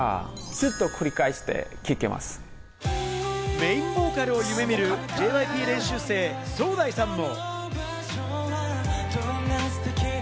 メインボーカルを夢見るＪＹＰ練習生・ソウダイさんも。